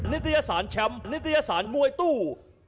นิตยสารแชมป์นิตยสารมวยตู้